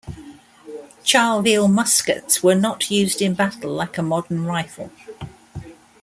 Charleville muskets were not used in battle like a modern rifle.